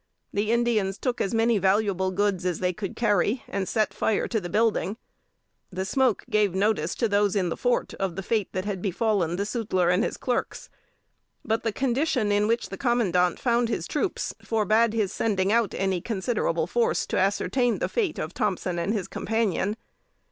The Indians took as many valuable goods as they could carry, and set fire to the building. The smoke gave notice to those in the fort of the fate that had befallen the sutler and his clerks. But the condition in which the commandant found his troops, forbade his sending out any considerable force to ascertain the fate of Thompson and his companion.